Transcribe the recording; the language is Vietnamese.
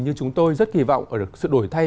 như chúng tôi rất kỳ vọng ở được sự đổi thay